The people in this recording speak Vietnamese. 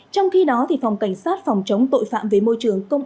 trong khi đó phòng cảnh sát phòng chống tội phạm về môi trường